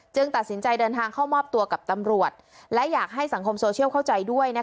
ตัดสินใจเดินทางเข้ามอบตัวกับตำรวจและอยากให้สังคมโซเชียลเข้าใจด้วย